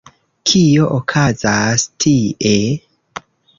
Kio okazas tie?